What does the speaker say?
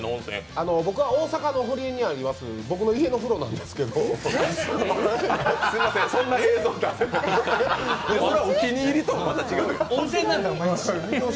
僕は大阪にあります、僕の家の風呂なんですけどすみません、そんな映像出せない、それはお気に入りとまた違うよ。